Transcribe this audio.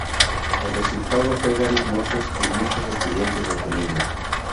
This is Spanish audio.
El resultado fue varios muertos, y muchos estudiantes detenidos.